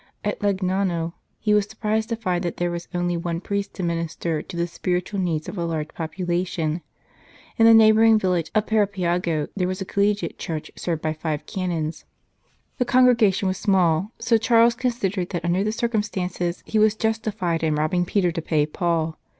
At Legnano he was surprised to find that there was only one priest to minister to the spiritual needs of a large population. In the neighbouring village of Parabiago there was a collegiate church served by five Canons ; the congregation was small, so Charles considered that under the circumstances he was justified in robbing Peter to pay Paul.